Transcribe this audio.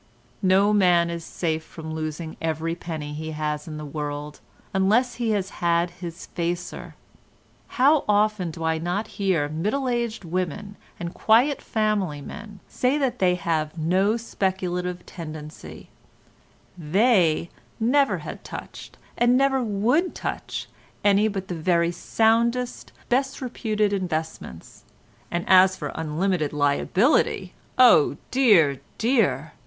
No man is safe from losing every penny he has in the world, unless he has had his facer. How often do I not hear middle aged women and quiet family men say that they have no speculative tendency; they never had touched, and never would touch, any but the very soundest, best reputed investments, and as for unlimited liability, oh dear! dear!